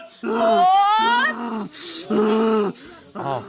โบ๊ท